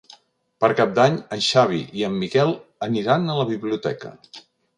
Per Cap d'Any en Xavi i en Miquel aniran a la biblioteca.